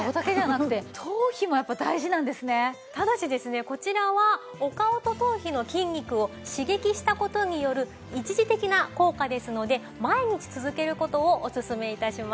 ただしですねこちらはお顔と頭皮の筋肉を刺激した事による一時的な効果ですので毎日続ける事をおすすめ致します。